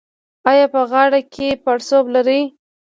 ایا په غاړه کې پړسوب لرئ؟